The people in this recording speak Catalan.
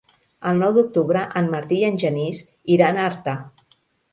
El nou d'octubre en Martí i en Genís iran a Artà.